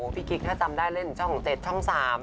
กิ๊กถ้าจำได้เล่นช่อง๗ช่อง๓